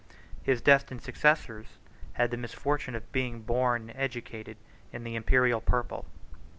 His destined successors had the misfortune of being born and educated in the imperial purple.